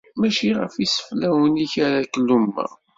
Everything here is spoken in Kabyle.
Mačči ɣef iseflawen-ik ara k-lummeɣ.